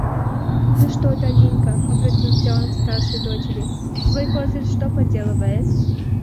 Ну что, Долинька, — обратился он к старшей дочери, — твой козырь что поделывает?